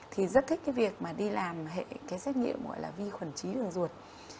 thì rất thích cái việc mà đi làm hệ cái xét nghiệm gọi là vi khuẩn trí lường ruột